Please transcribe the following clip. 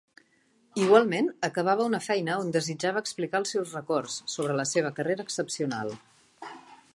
Igualment Acabava una feina on desitjava explicar els seus records, sobre la seva carrera excepcional.